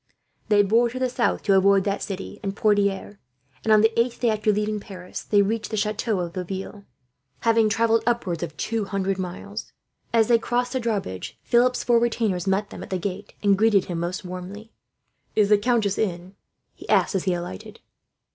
They bore to the south to avoid that city and Poitiers and, on the eighth day after leaving Paris, they reached the chateau of Laville, having travelled upwards of two hundred miles. As they crossed the drawbridge, Philip's four retainers met them at the gate, and greeted him most warmly. "Is the countess in?" he asked, as he alighted.